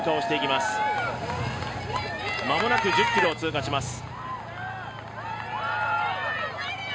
まもなく１０ｋｍを通過します。